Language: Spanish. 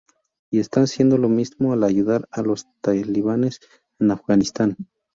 Y están haciendo lo mismo al ayudar a los Talibanes en Afganistán.